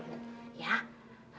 cium cium dikit juga gak apa apa